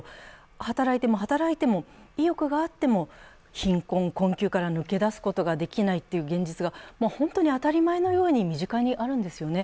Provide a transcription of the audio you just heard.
働いても働いても、意欲があっても貧困・困窮から抜け出すことができないということが本当に当たり前のように身近にあるんですよね。